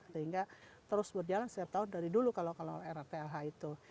sehingga terus berjalan setahun dari dulu kalau rrt lh itu